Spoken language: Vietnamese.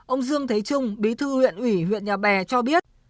ông dương thế trung bí thư huyện ủy huyện nhà bè cho biết